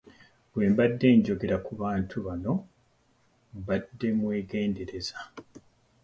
Bwe mbadde njogera ku bantu bano mbadde mwegendereza.